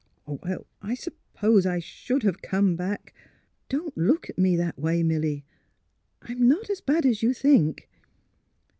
"'' Oh, I suppose I should have come back. ... Don't look at me that way, Milly; I'm not as bad as you think.